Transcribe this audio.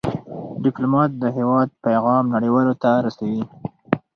ډيپلومات د هېواد پېغام نړیوالو ته رسوي.